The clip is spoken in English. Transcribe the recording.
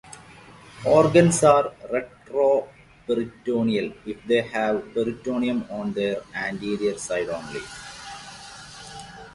Organs are retroperitoneal if they have peritoneum on their anterior side only.